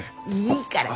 いいから。